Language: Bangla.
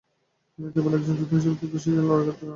তিনি কেবল একজন যোদ্ধা হিসাবে তার দেশের জন্য লড়াই করতে চান।